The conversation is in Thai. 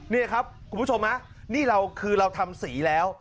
นี่ครับคุณผู้ชมนี่เราคือเราทำสีแล้ว